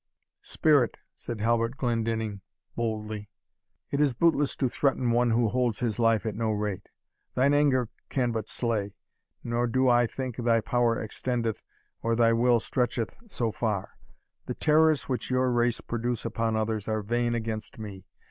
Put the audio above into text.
"Spirit," said Halbert Glendinning, boldly, "it is bootless to threaten. one who holds his life at no rate. Thine anger can but slay; nor do I think thy power extendeth, or thy will stretcheth, so far. The terrors which your race produce upon others, are vain against me.